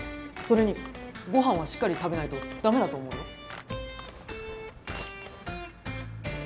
それに御飯はしっかり食べないと駄目だと思うよ。